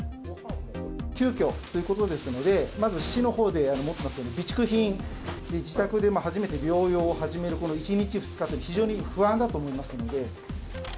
急きょということですので、まず市のほうで持っている備蓄品、自宅で初めて療養を始めるこの１日、２日というのは非常に不安だと思いますので。